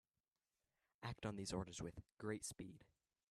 Act on these orders with great speed.